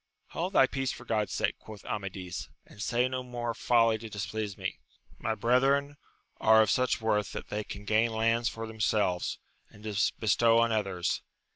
Hold thy peace, for God's sake, quoth Amadis, and say no such folly to displease me. My brethren are of such worth that they can gain lands for themselves, and to bestow on others.